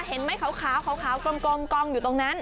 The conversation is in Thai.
เห็นไหมขาวกลมกองอยู่ตรงนั้น